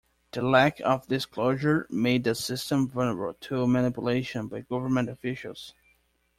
The lack of disclosure made the system vulnerable to manipulation by government officials.